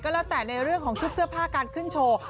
แล้วแต่ในเรื่องของชุดเสื้อผ้าการขึ้นโชว์